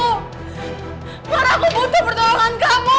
kepada aku butuh pertolongan kamu